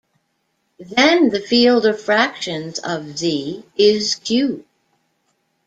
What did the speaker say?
Then the field of fractions of Z is Q.